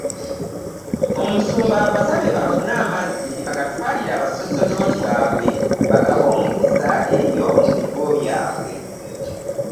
Omusumba abasabye bafune amazzi bagatwalire abasasorodooti baabwe bagawe omukisa eyo mu bigo byabwe